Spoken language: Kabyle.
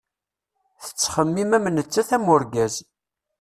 Tettxemmim am nettat am urgaz.